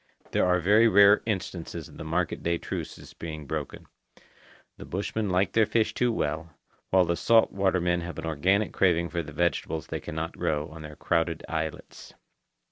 There are very rare instances of the market day truces being broken. The bushmen like their fish too well, while the salt water men have an organic craving for the vegetables they cannot grow on their crowded islets.